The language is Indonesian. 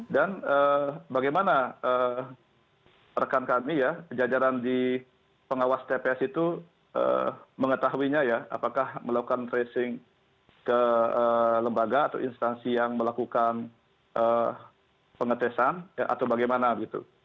dan bagaimana rekan kami ya jajaran di pengawas tps itu mengetahuinya ya apakah melakukan tracing ke lembaga atau instansi yang melakukan pengetesan atau bagaimana gitu